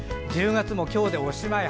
１０月も今日でおしまい。